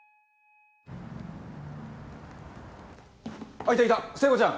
あっいたいた聖子ちゃん